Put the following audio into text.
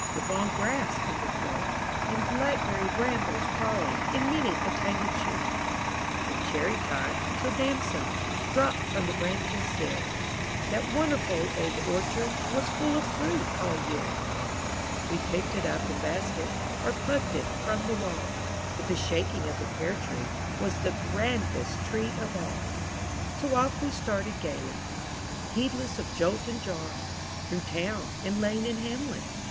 With long grass under foot. And blackberry brambles crawling In many a tangled shoot. From cherry time, till damsons Dropped from the branches sere, That wonderful old orchard Was full of fruit all year! We picked it up in baskets. Or pluck'd it from the wall; But the shaking of the pear tree Was the grandest treat of all. So off we started gaily, Heedless of jolt and jar; Through town, and lane, and hamlet.